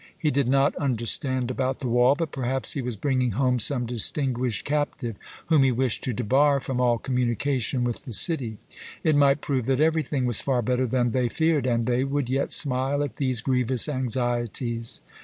He did not understand about the wall, but perhaps he was bringing home some distinguished captive whom he wished to debar from all communication with the city. It might prove that everything was far better than they feared, and they would yet smile at these grievous anxieties.